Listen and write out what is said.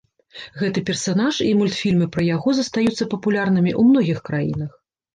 Гэты персанаж і мультфільмы пра яго застаюцца папулярнымі ў многіх краінах.